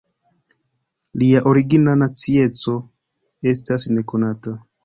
Lia origina nacieco estas nekonata.